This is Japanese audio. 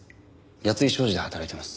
八ツ井商事で働いています。